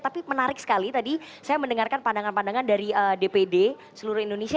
tapi menarik sekali tadi saya mendengarkan pandangan pandangan dari dpd seluruh indonesia